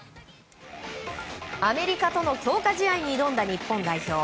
アメリカとの強化試合に挑んだ日本代表。